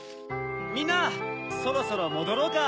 みんなそろそろもどろうか。